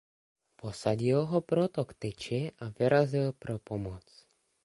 Posadil ho proto k tyči a vyrazil pro pomoc.